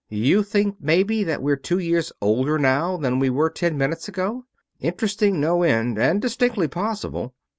You think maybe that we're two years older now than we were ten minutes ago? Interesting no end and distinctly possible.